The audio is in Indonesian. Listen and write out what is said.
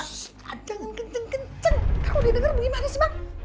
shh jangan kenceng kenceng kalo dia denger begini mak